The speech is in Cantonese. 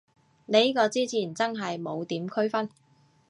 呢個之前真係冇點區分